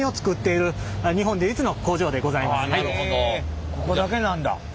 へえここだけなんだ。